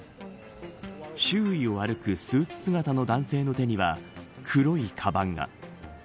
周囲を歩くスーツ姿の男性の手には黒いかばんが。